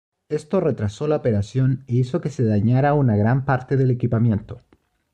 Esto retrasó la operación e hizo que se dañara una gran parte del equipamiento.